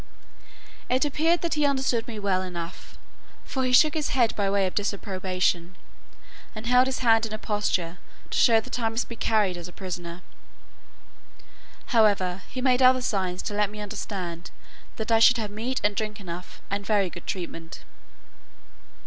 It appeared that he understood me well enough, for he shook his head by way of disapprobation, and held his hand in a posture to show that I must be carried as a prisoner. However, he made other signs to let me understand that I should have meat and drink enough, and very good treatment.